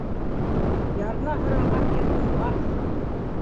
Ярна һораған ир уңмаҫ